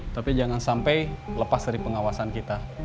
tapi jangan sampai lepas dari pengawasan kita